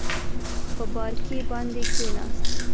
په بارکي باندې کېناست.